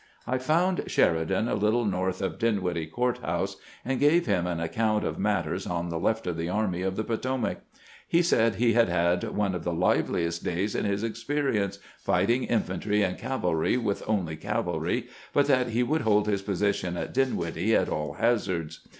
I found Sheridan a little north of Dinwiddle Court house, and gave him an account of matters on the left of the Army of the Potomac. He said he had had one of the liveliest days in his experience, fighting infantry and cavalry with only cavalry, but that he would hold his position at Dinwiddle at aU hazards.